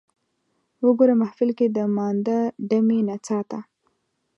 وګوره محفل کې د مانده ډمې نڅا ته